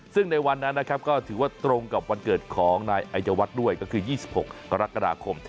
ซึ่งในวันนั้นนะครับก็ถือว่าตรงกับวันเกิดของนายอายวัฒน์ด้วยก็คือ๒๖กรกฎาคม